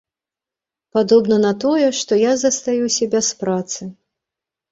Падобна на тое, што я застаюся без працы.